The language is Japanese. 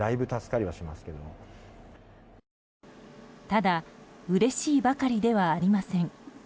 ただ、うれしいばかりではありません。